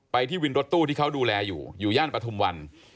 ที่วินรถตู้ที่เขาดูแลอยู่อยู่ย่านปฐุมวัน